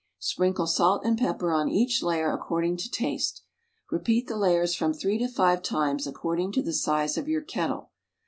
Sprinkle salt and pepper on each layer according to taste. Repeat the layers from three to five times according to the size of your kettle.